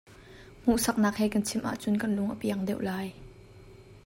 Hmuhsaknak he kan chimh ahcun kan lung a piang deuh lai.